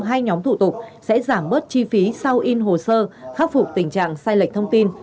hai nhóm thủ tục sẽ giảm bớt chi phí sau in hồ sơ khắc phục tình trạng sai lệch thông tin